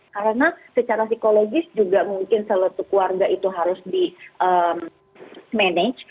karena secara psikologis juga mungkin seluruh keluarga itu harus di manage